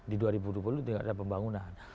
di dua ribu dua puluh tinggal ada pembangunan